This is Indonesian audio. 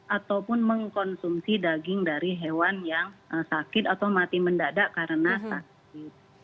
ataupun mengkonsumsi daging dari hewan yang sakit atau mati mendadak karena sakit